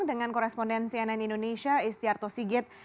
dengan koresponden cnn indonesia istiarto sigit